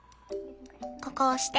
ここ押して。